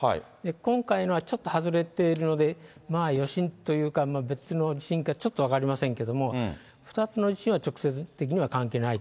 今回のはちょっと外れているので、まあ余震というか、別の地震か、ちょっと分かりませんけれども、２つの地震は直接的には関係ないと。